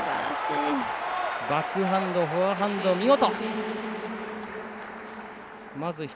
バックハンド、フォアハンド見事。